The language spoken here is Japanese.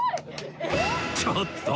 ちょっと！